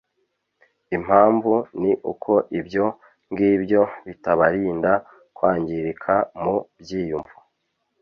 Impamvu ni uko ibyo ngibyo bitabarinda kwangirika mu byiyumvo